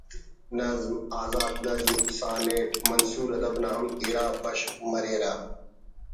نظم، آزاد نظم، سانیٹ منثور ادب نا ہم اِرا بشخ مریرہ